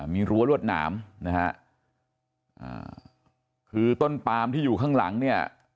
มีรั้วรวดหนามนะฮะอ่าคือต้นปามที่อยู่ข้างหลังเนี่ย